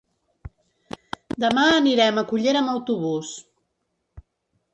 Demà anirem a Cullera amb autobús.